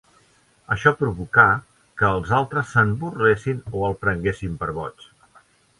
Això provocà que els altres se'n burlessin o el prenguessin per boig.